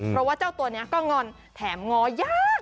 เพราะว่าเจ้าตัวนี้ก็งอนแถมง้อยาก